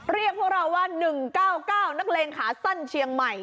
เรียกพวกเราว่าหนึ่งเก้าเก้านักเลงขาสั้นเชียงใหม่